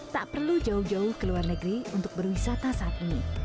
tak perlu jauh jauh ke luar negeri untuk berwisata saat ini